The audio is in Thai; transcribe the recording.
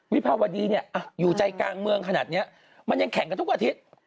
วิภาวดีเนี่ยอยู่ใจกลางเมืองขนาดนี้มันยังแข่งกันทุกอาทิตย์